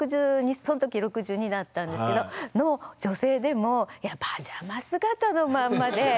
その時６２だったんですけどの女性でもいやパジャマ姿のまんまで。